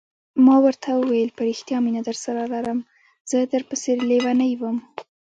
ما ورته وویل: په رښتیا مینه درسره لرم، زه در پسې لیونی وم.